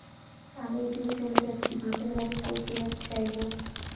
আমি এদিকে চলে যাচ্ছি বাপের বাড়ি, কৈফিয়ত চাইব।